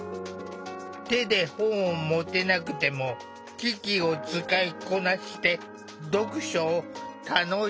手で本を持てなくても機器を使いこなして読書を楽しんでいる。